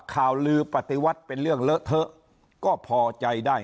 ข่าวลือปฏิวัติเป็นเรื่องเลอะเทอะก็พอใจได้